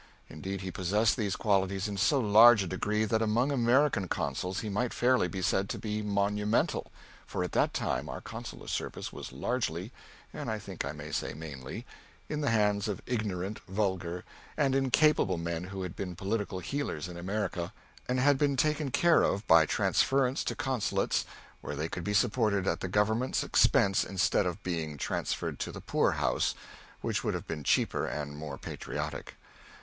Indeed he possessed these qualities in so large a degree that among American consuls he might fairly be said to be monumental, for at that time our consular service was largely and I think I may say mainly in the hands of ignorant, vulgar, and incapable men who had been political heelers in America, and had been taken care of by transference to consulates where they could be supported at the Government's expense instead of being transferred to the poor house, which would have been cheaper and more patriotic.